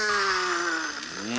うん！